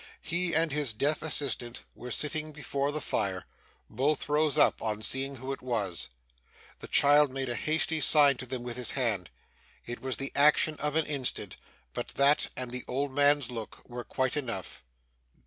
He and his deaf assistant were sitting before the fire. Both rose up, on seeing who it was. The child made a hasty sign to them with his hand. It was the action of an instant, but that, and the old man's look, were quite enough.